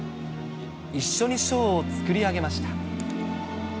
一緒にショーを作り上げました。